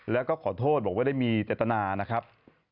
แล้วก็ขอโทษบอกว่าได้มีเจตนานะครับ